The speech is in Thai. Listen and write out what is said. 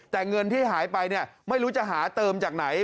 แต่เงินที่หายไปเนี่ยไม่รู้จะหาเติมจากไหน